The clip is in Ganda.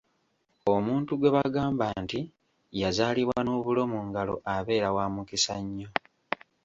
Omuntu gwe bagamba nti yazaalibwa n’obulo mu ngalo abeera wa mukisa nnyo.